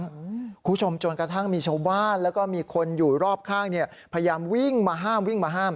คุณผู้ชมจนกระทั่งมีชาวบ้านแล้วก็มีคนอยู่รอบข้างพยายามวิ่งมาห้าม